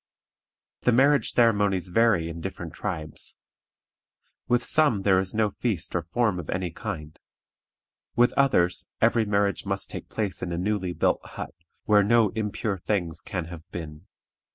The marriage ceremonies vary in different tribes. With some there is no feast or form of any kind; with others every marriage must take place in a newly built hut, where no impure things can have been.